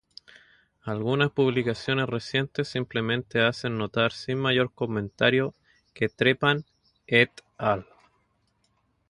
Algunas publicaciones recientes simplemente hacen notar sin mayor comentario que Trepan "et al".